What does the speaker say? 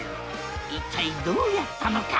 一体どうやったのか？